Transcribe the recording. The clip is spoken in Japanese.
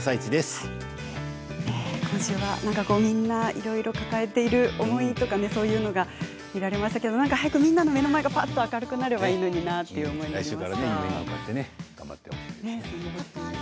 今週は何かみんないろいろ抱えている思いとかそういうのが見られましたけど早くみんなの目の前がぱっと明るくなればいいのになと思いました。